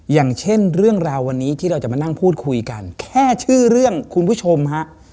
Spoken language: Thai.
อย่างเช่นเรื่องราววันนี้ที่เราจะมานั่งพูดคุยกันแค่ชื่อเรื่องคุณผู้ชมฮะ